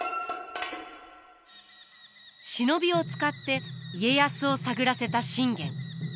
忍びを使って家康を探らせた信玄。